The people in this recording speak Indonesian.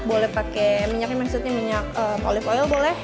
boleh pakai minyak yang maksudnya minyak olive oil boleh